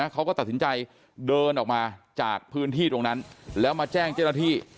เขาก็ตัดสินใจเดินออกมาจากพื้นที่ตรงนั้นแล้วมาแจ้งเจ้าหน้าที่